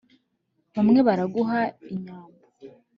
bamwe baraguha inyambo